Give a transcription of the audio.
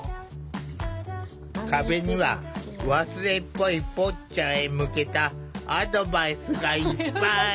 壁には忘れっぽいぽっちゃんへ向けたアドバイスがいっぱい。